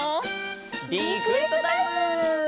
リクエストタイム！